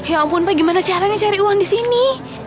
ya ampun pak gimana caranya cari uang disini